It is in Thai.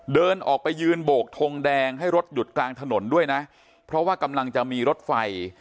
เดินออกไปยืนโบกทงแดงให้รถหยุดกลางถนนด้วยนะเพราะว่ากำลังจะมีรถไฟ